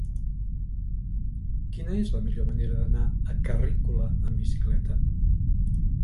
Quina és la millor manera d'anar a Carrícola amb bicicleta?